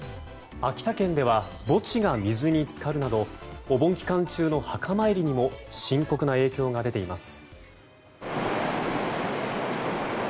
秋田県では墓地が水に浸かるなどお盆期間中の墓参りにも深刻な影響が出ています。